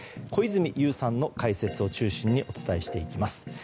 小泉悠さんの解説を中心にお伝えしていきます。